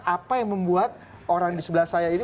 apa yang membuat orang di sebelah saya ini